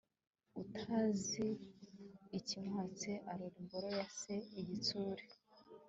utazi ikimuhatse arora imboro ya se igitsure